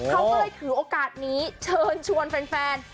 เขาก็เลยถือโอกาสนี้เชิญชวนแฟน